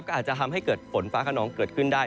ก็อาจจะทำให้เกิดฝนฟ้าขนองเกิดขึ้นได้